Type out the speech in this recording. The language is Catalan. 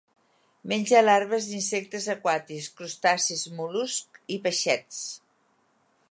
Menja larves d'insectes aquàtics, crustacis, mol·luscs i peixets.